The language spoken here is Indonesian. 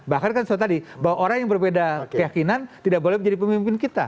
bahkan kan soal tadi bahwa orang yang berbeda keyakinan tidak boleh menjadi pemimpin kita